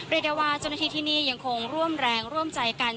เรียกได้ว่าเจ้าหน้าที่ที่นี่ยังคงร่วมแรงร่วมใจกัน